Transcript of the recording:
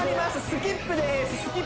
スキップです